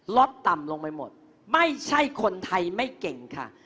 ต่ำลงไปหมดไม่ใช่คนไทยไม่เก่งค่ะ